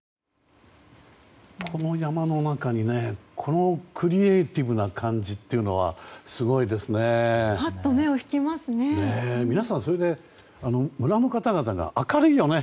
この山の中にこのクリエーティブな感じっていうのはすごいですね。